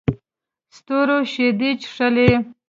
ستورو شیدې چښلې